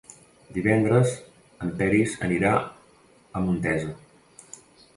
Divendres en Peris anirà a Montesa.